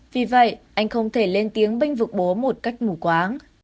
vì vậy anh không thể lên tiếng binh vực bố một cách mù quáng